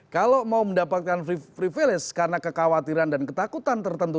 kalau mau mendapatkan privilege karena kekhawatiran dan ketakutan tertentu